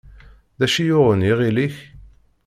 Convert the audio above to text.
D acu i yuɣen iɣil-ik?